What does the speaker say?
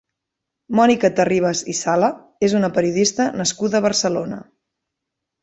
Mònica Terribas i Sala és una periodista nascuda a Barcelona.